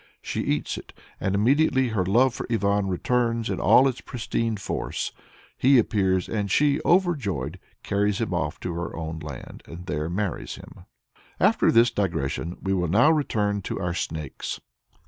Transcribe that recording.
She eats it, and immediately her love for Ivan returns in all its pristine force. He appears, and she, overjoyed, carries him off to her own land and there marries him. After this digression we will now return to our Snakes.